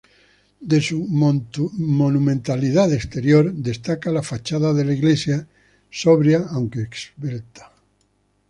De su monumentalidad externa, destaca la fachada de la iglesia, sobria, aunque esbelta.